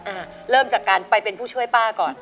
อ่าเริ่มจากการไปเป็นผู้ช่วยป้าก่อน